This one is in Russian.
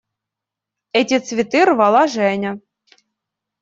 Эти цветы рвала Женя.